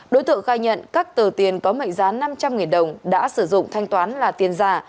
đối tượng khai nhận các tờ tiền có mệnh giá năm trăm linh đồng đã sử dụng thanh toán là tiền giả